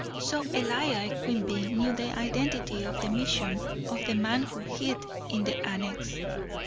So Elijah Quimby knew the identity and the mission of the man who hid in the annex.